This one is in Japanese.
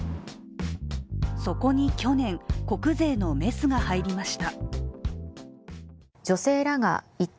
そこに去年、国税のメスが入りました。